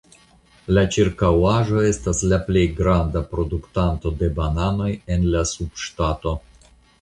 La ĉirkaŭaĵo estas la plej granda produktanto de bananoj en la subŝtato.